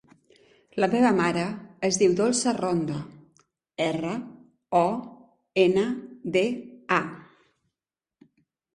La meva mare es diu Dolça Ronda: erra, o, ena, de, a.